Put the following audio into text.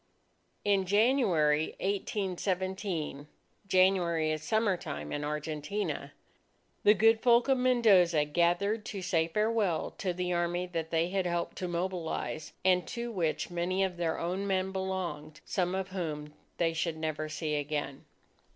In January 1817 January is summertime in Argentina the good folk of Mendoza gathered to say farewell to the Army that they had helped to mobilize, and to which so many of their own men belonged, some of whom they should never see again.